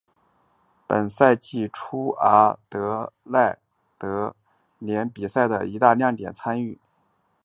本赛季初阿德莱德联比赛的一大亮点是参加了今年的亚冠联赛。